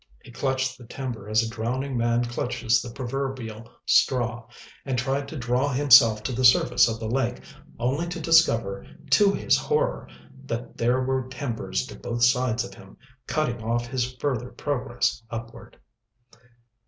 He clutched the timber as a drowning man clutches the proverbial straw, and tried to draw himself to the surface of the lake, only to discover, to his horror, that there were timbers to both sides of him, cutting off his further progress upward.